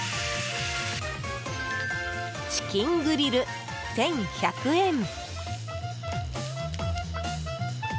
チキングリル、１１００円。